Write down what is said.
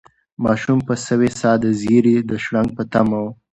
ماشوم په سوې ساه د زېري د شرنګ په تمه و.